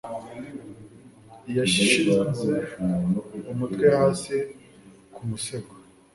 Yashize umutwe hasi ku musego